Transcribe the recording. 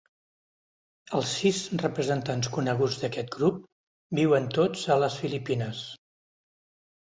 Els sis representants coneguts d'aquest grup viuen tots a les Filipines.